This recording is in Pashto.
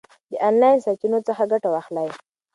د آنلاین سرچینو څخه ګټه واخلئ.